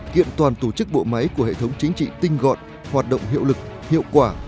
kiện toàn tổ chức bộ máy của hệ thống chính trị tinh gọn hoạt động hiệu lực hiệu quả